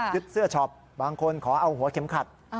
เสื้อช็อปบางคนขอเอาหัวเข็มขัด